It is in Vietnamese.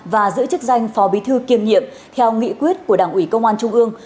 và giữ chức danh phó bí thư kiêm nhiệm theo nghị quyết của đảng ủy công an trung ương